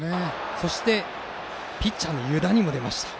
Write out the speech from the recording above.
そしてピッチャーの湯田にも出ました。